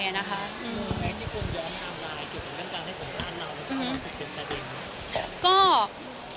คุณย้อนอำนาจเกี่ยวกับสำคัญการให้สมฆาตเรานะคะว่าผู้จิ้นใจดิน